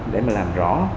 để mà làm rõ